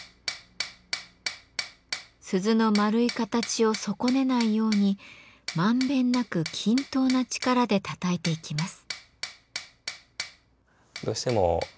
鈴の丸い形を損ねないように満遍なく均等な力でたたいていきます。